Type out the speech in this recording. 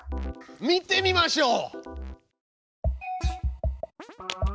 見てみましょう。